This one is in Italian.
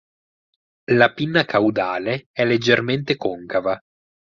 La pinna caudale è leggermente concava.